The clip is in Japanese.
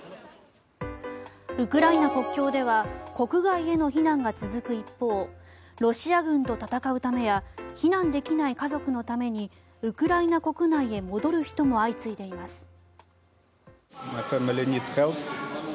ウクライナ国境では国外への避難が続く一方ロシア軍と戦うためや避難できない家族のためにウクライナ国内へ戻る人も相次いでいます。